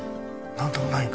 何ともないんか？